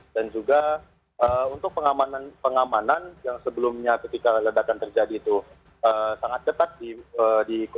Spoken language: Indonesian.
dan juga untuk pengamanan yang sebelumnya ketika ledakan terjadi itu sangat cepat dikondisikan